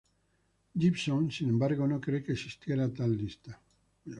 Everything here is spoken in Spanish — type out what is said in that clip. Gibson, sin embargo, no cree que existiera tal lista.